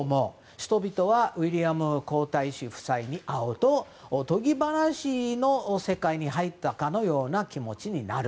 人々はウィリアム皇太子夫妻に会うとおとぎ話の世界に入ったかのような気持ちになる。